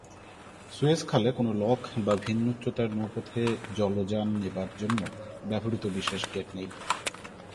Suez খালে কোন lock বা ভিন্ন উচ্চতার নৌপথে জলযান নেবার জন্য ব্যবহৃত বিশেষ গেট নেই।